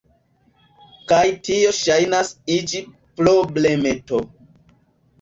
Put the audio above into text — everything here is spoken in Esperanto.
Kaj tio ŝajnas iĝi problemeto.